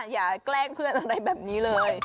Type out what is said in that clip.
แกล้งเพื่อนอะไรแบบนี้เลย